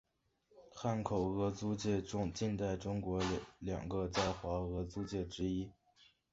汉口俄租界近代中国两个在华俄租界之一。